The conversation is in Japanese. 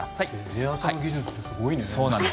テレ朝の技術ってすごいね。